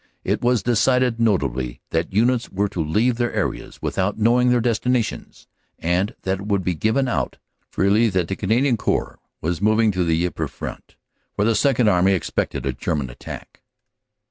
It was decided notably that Units were to leave their areas without knowing their destinations, and that it would be given out freely that the Canadian Corps was moving to the Ypres front, where the Second Army expected a German attack.